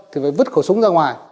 thì phải vứt khẩu súng ra ngoài